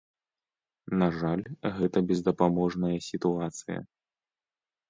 На жаль, гэта бездапаможная сітуацыя.